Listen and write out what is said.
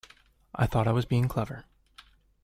I thought I was being clever.